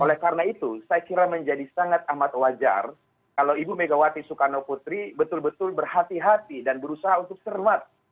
oleh karena itu saya kira menjadi sangat amat wajar kalau ibu megawati soekarno putri betul betul berhati hati dan berusaha untuk cermat